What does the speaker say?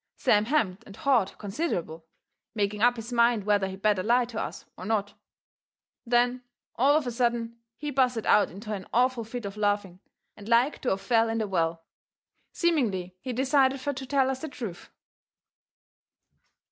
Sam hemmed and hawed considerable, making up his mind whether he better lie to us or not. Then, all of a sudden, he busted out into an awful fit of laughing, and like to of fell in the well. Seemingly he decided fur to tell us the truth.